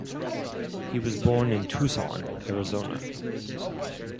He was born in Tucson, Arizona.